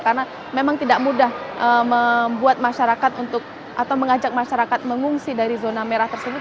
karena memang tidak mudah membuat masyarakat untuk atau mengajak masyarakat mengungsi dari zona merah tersebut